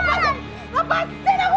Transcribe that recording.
kamu itu bukan anak aku